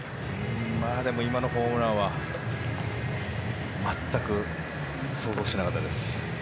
でも今のホームランは全く想像してなかったです。